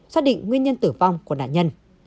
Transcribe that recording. xác định nguyên nhân tử vong của nạn nhân